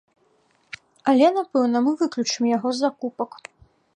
Але, напэўна, мы выключым яго з закупак.